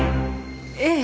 ええ。